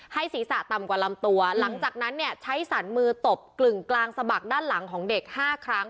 ศีรษะต่ำกว่าลำตัวหลังจากนั้นเนี่ยใช้สันมือตบกลึ่งกลางสะบักด้านหลังของเด็กห้าครั้ง